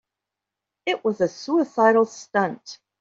It was a suicidal stunt.